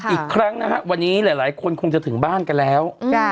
อีกครั้งนะฮะวันนี้หลายคนคงจะถึงบ้านกันแล้ว